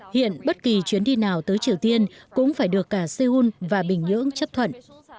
hiện bất kỳ chuyến đi nào tới triều tiên cũng phải được cả seoul và bình nhưỡng chấp thuận